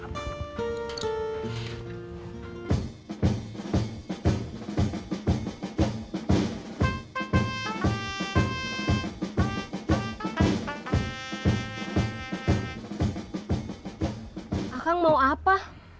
mereka akan menanggap atawada